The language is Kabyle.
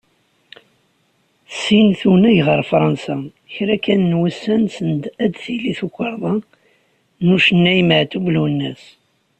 Sin tunag ɣer Fransa, kra kan n wussan send ara d-tili tukerḍa n ucennay Maɛtub Lwennes.